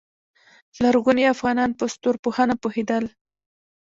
لرغوني افغانان په ستورپوهنه پوهیدل